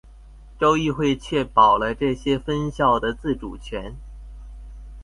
州议会确保了这些分校的自主权。